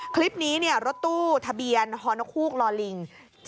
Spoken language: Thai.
คลิปนี้เนี่ยรถตู้ทะเบียนฮคลูกลริง